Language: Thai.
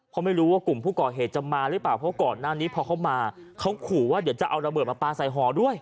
เพราะไม่รู้ว่ากลุ่มผู้ก่อเหตุจะมาหรือเปล่าเพราะก่อนหน้านี้พอเขามาเขาขู่ว่าเดี๋ยวจะเอาระเบิดมาปลาใส่หอด้วย